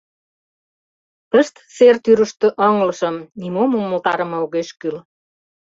Тыште сер тӱрыштӧ ыҥлышым, нимом умылтарыме огеш кӱл.